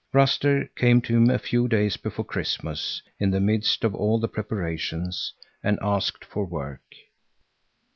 Ruster came to him a few days before Christmas, in the midst of all the preparations, and asked for work.